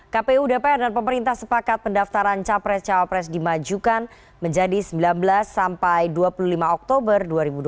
kpu dpr dan pemerintah sepakat pendaftaran capres cawapres dimajukan menjadi sembilan belas sampai dua puluh lima oktober dua ribu dua puluh